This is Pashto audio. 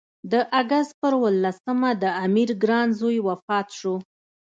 د اګست پر اووه لسمه د امیر ګران زوی وفات شو.